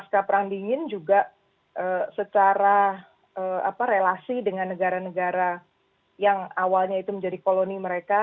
pasca perang dingin juga secara relasi dengan negara negara yang awalnya itu menjadi koloni mereka